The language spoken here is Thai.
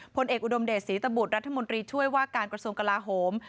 ผลเอกอุดมเดชศรีตบุตรรัฐมนตรีช่วยว่าการกระทรวงกลาโหม